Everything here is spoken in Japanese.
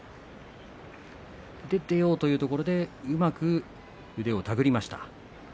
出ようというところでうまく腕を手繰りました。